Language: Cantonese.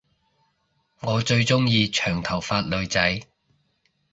我最鐘意長頭髮女仔